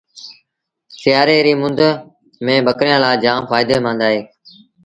سيٚآري ريٚ مند ميݩ ٻڪريآݩ لآ جآم ڦآئيدي مند اهي